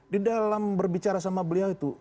di dalam berbicara sama beliau itu